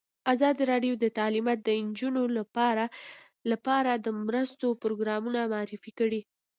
ازادي راډیو د تعلیمات د نجونو لپاره لپاره د مرستو پروګرامونه معرفي کړي.